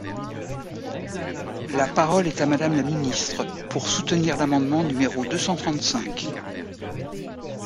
La parole est à Madame la ministre, pour soutenir l’amendement numéro deux cent trente-cinq.